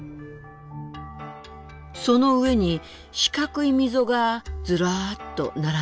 その上に四角い溝がずらっと並んでいるわね。